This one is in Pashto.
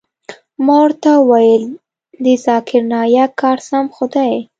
ما ورته وويل د ذاکر نايک کار سم خو دى.